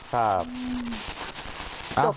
ครับ